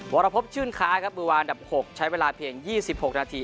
วรพพชื่นค้าครับมือวานดับหกใช้เวลาเพียงยี่สิบหกนาที